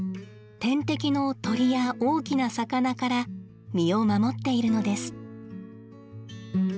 天敵の鳥や大きな魚から身を守っているのです。